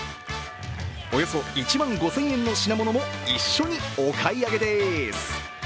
およそ１万５０００円の品物も一緒にお買い上げです。